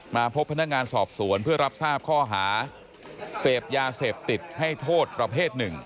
มาพบพนักงานสอบสวนเพื่อรับทราบข้อหาเสพยาเสพติดให้โทษประเภทหนึ่ง